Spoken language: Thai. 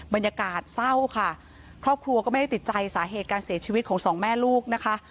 บรรยากาศเศร้าค่ะครอบครัวก็ไม่ได้ติดใจสาเหตุการเสียชีวิตของสองแม่ลูกนะคะ